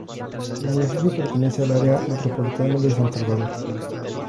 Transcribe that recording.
El municipio pertenece al Área metropolitana de San Salvador.